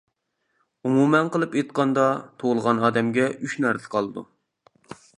ئومۇمەن قىلىپ ئېيتقاندا، تۇغۇلغان ئادەمگە ئۈچ نەرسە قالىدۇ.